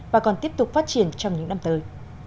và còn tiếp tục phát triển trong những năm tới